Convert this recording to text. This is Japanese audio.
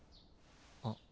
あっ。